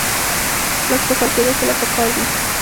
لاس په کار کیدل کله پکار دي؟